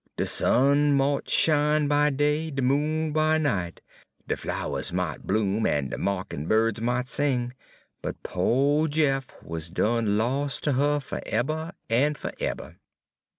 De sun mought shine by day, de moon by night, de flowers mought bloom, en de mawkin' birds mought sing, but po' Jeff wuz done los' ter her fereber en fereber.